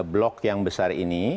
blok yang besar ini